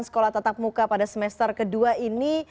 sekolah tatap muka pada semester ke dua ini